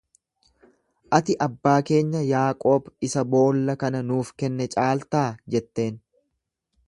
Ati abbaa keenya Yaaqoob isa boolla kana nuuf kenne caaltaa jetteen.